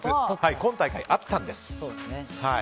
今大会あったんです。